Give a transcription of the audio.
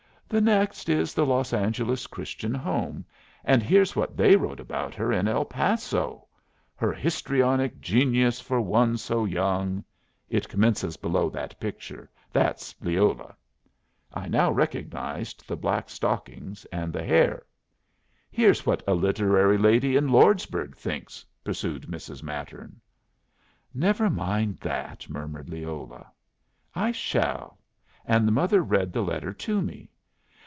"The next is the Los Angeles Christian Home. And here's what they wrote about her in El Paso: 'Her histrionic genius for one so young' it commences below that picture. That's Leola." I now recognized the black stockings and the hair. "Here's what a literary lady in Lordsburg thinks," pursued Mrs. Mattern. "Never mind that," murmured Leola. "I shall." And the mother read the letter to me.